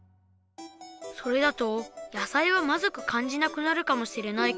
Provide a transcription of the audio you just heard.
それだとやさいはまずくかんじなくなるかもしれないけど。